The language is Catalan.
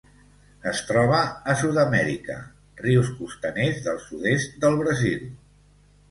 Es troba a Sud-amèrica: rius costaners del sud-est del Brasil.